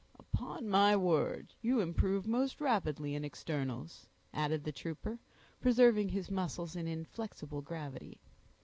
"Upon my word, you improve most rapidly in externals," added the trooper, preserving his muscles in inflexible gravity.